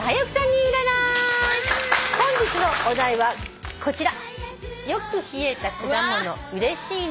本日のお題はこちら。